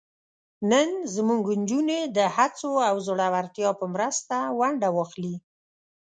نن زموږ نجونې د هڅو او زړورتیا په مرسته ونډه واخلي.